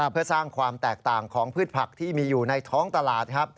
เพื่อสร้างความแตกต่างของพืชผักที่มีอยู่ในท้องตลาด